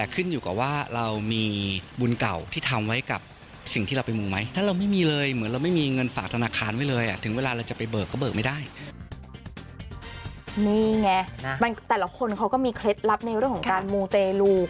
เขาก็มีเคล็ดลับในเรื่องของการมูเตรลู